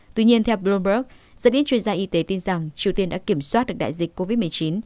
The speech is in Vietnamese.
tuy nhiên theo bloomberg rất ít chuyên gia y tế tin rằng triều tiên đã kiểm soát được đại dịch covid một mươi chín